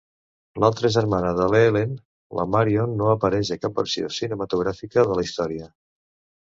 L'altra germana de l'Ellen, la Marion, no apareix a cap versió cinematogràfica de la història.